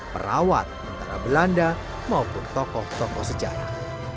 perawat antara belanda maupun tokoh tokoh sejarah